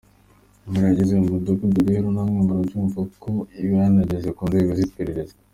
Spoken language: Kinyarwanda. Inkuru yageze mu mudugudu rero namwe murabyumva ko iba yanageze ku nzego z’iperereza.